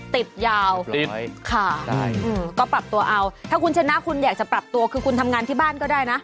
ติดยาวติดค่ะก็ปรับตัวเอาถ้าคุณชนะคุณอยากจะปรับตัวคือคุณทำงานที่บ้านก็ได้นะ